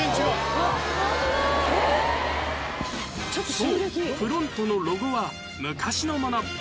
そうプロントのロゴは昔のもの